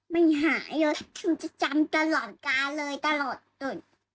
ไม่หายเลยชมจะจำตลอดกาเลยตลอดตุ๊ด